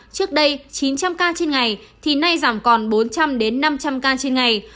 trước đây chín trăm linh ca trên ngày thì nay giảm còn bốn trăm linh năm trăm linh ca trên ngày